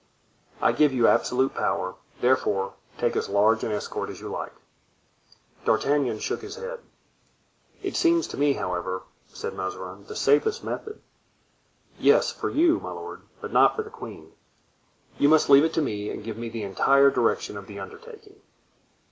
"I give you absolute power, therefore; take as large an escort as you like." D'Artagnan shook his head. "It seems to me, however," said Mazarin, "the safest method." "Yes, for you, my lord, but not for the queen; you must leave it to me and give me the entire direction of the undertaking."